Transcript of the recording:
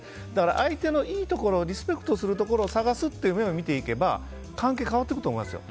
相手のいいところリスペクトするところを探すっていう面を見ていけば関係は変わっていくと思いますよ。